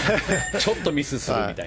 ちょっとミスするみたいな。